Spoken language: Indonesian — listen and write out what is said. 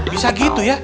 bisa gitu ya